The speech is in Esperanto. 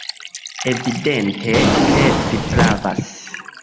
Evidente, ke vi pravas!